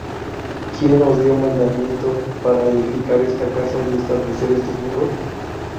¿Quién os dió mandamiento para edificar esta casa, y restablecer estos muros?